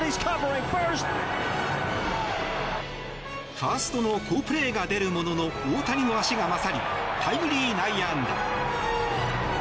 ファーストの好プレーが出るものの大谷の足が勝りタイムリー内野安打。